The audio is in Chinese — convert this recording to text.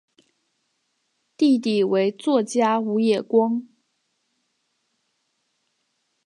弟弟为作家武野光。